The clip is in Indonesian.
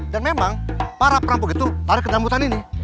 dan memang para rampok itu pada kedamputan ini